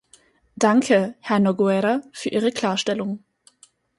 Danke, Herr Nogueira, für Ihre Klarstellung.